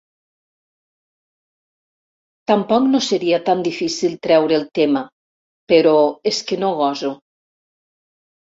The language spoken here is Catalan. Tampoc no seria tan difícil treure el tema, però és que no goso.